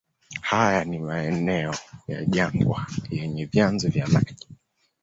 Haya ni maeneo ya jangwa yenye vyanzo vya maji.